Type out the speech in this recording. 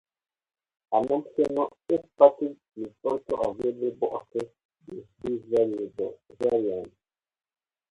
An optional S Package is also available across the three variants.